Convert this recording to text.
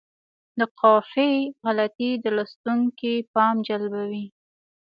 د قافیې غلطي د لوستونکي پام جلبوي.